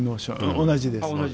同じですね。